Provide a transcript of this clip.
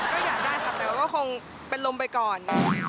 ก็อยากได้ค่ะแต่ว่าก็คงเป็นลมไปก่อน